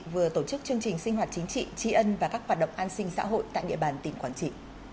vừa tổ chức chương trình sinh hoạt chính trị tri ân và các hoạt động an sinh xã hội tại địa bàn tỉnh quảng trị